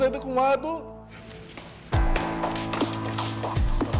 dong itu kumatunya